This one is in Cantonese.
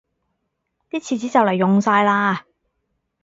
啲廁紙就黎用晒喇